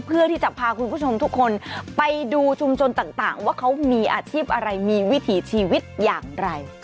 เพื่อที่จะพาคุณผู้ชมทุกคนไปดูชุมชนต่างว่าเขามีอาชีพอะไรมีวิถีชีวิตอย่างไร